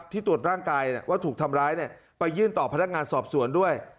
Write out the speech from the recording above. ตรวจร่างกายว่าถูกทำร้ายไปยื่นต่อพนักงานสอบสวนด้วย